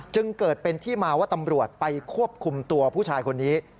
จึงเกิดเป็นที่มาว่าตำรวจไปควบคุมตัวผู้ชายคนนี้